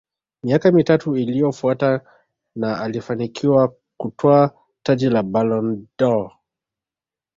miaka mitatu iliyofuata na alifanikiwa kutwaa taji la Ballon dâOr